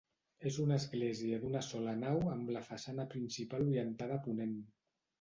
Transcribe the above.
És una església d'una sola nau amb la façana principal orientada a ponent.